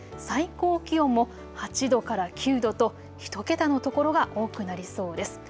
最高気温も８度から９度と１桁のところが多くなりそうです。